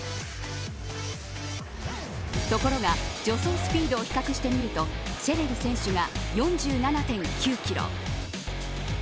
ところが助走スピードを比較してみるとシェレル選手が４７．９キロ。